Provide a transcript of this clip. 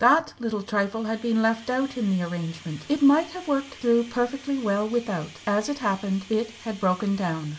That little trifle had been left out in the arrangement. It might have worked through perfectly well without; as it happened it had broken down.